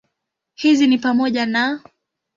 Hizi ni pamoja na